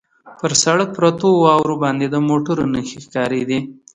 پر سړک پرتو واورو باندې د موټرو نښې ښکارېدې.